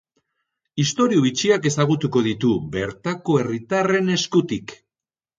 Istorio bitxiak ezagutuko ditu bertako herritarren eskutik.